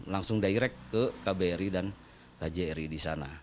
langsung direct ke kbri dan kjri di sana